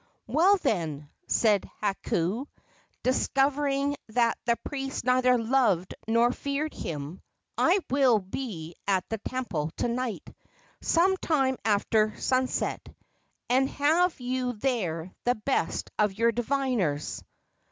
"Well, then," said Hakau, discovering that the priest neither loved nor feared him, "I will be at the temple to night, some time after sunset, and have you there the best of your diviners."